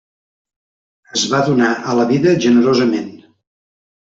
Es va donar a la vida generosament.